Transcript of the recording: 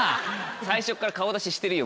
最初っから顔出ししてるよ